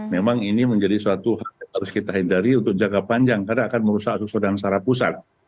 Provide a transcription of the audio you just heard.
memang ini menjadi suatu hal yang harus kita hindari untuk jangka panjang karena akan merusak susulan secara pusat